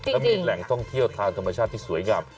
และมีแหล่งท่องเที่ยวทางธรรมชาติที่สวยงาม